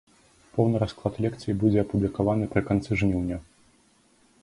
Поўны расклад лекцый будзе апублікаваны пры канцы жніўня.